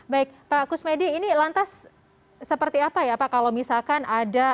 baik pak kusmedi ini lantas seperti apa ya pak kalau misalkan ada wisatawan yang ingin mengikuti